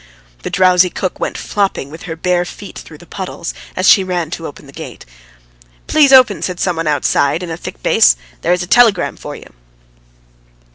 The drowsy cook went flopping with her bare feet through the puddles, as she ran to open the gate. "Please open," said some one outside in a thick bass. "There is a telegram for you."